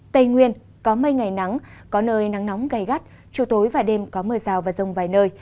tây nguyên có mây ngày nắng có nơi nắng nóng gai gắt chiều tối và đêm có mưa rào và rông vài nơi